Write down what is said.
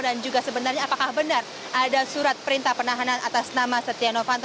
dan juga sebenarnya apakah benar ada surat perintah penahanan atas nama setia nevanto